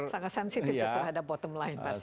sangat sensitif terhadap bottom line pasti